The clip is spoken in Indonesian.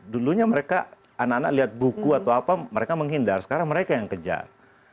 dulunya mereka anak anak lihat buku atau apa mereka menghindar sekarang mereka yang kejar